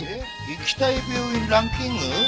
「行きたい病院ランキング」？